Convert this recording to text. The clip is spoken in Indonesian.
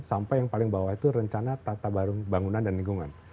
sampai yang paling bawah itu rencana tata bangunan dan lingkungan